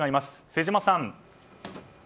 瀬島さん。